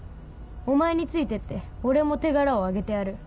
お前についてって俺も手柄を挙げてやる。